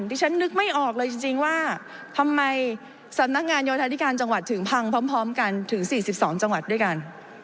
ที่ฉันนึกไม่ออกเลยจริงว่าทำไมสำนักงานโยธาธิการจังหวัดถึงพังพร้อมกันถึง๔๒จังหวัดด้วยกัน